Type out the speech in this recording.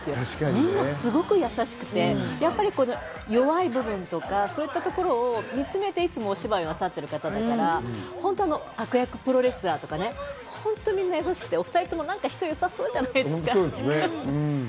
みんなすごく優しくて、弱い部分とか、そういったところを詰めて、いつもお芝居をなさってる方だから本当の悪役プロレスラーとか、本当はみんな優しくて、お２人も人が良さそうじゃないですか。